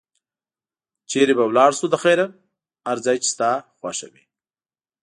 چېرته به ولاړ شو له خیره؟ هر ځای چې ستا خوښ وي.